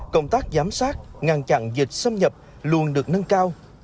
công tác giám sát ngăn chặn dịch xâm nhập luôn được nâng cao